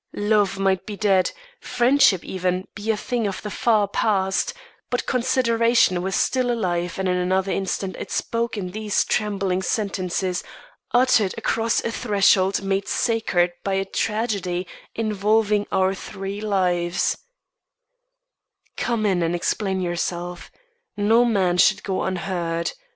Love might be dead friendship, even, be a thing of the far past but consideration was still alive and in another instant it spoke in these trembling sentences, uttered across a threshold made sacred by a tragedy involving our three lives: "Come in and explain yourself. No man should go unheard.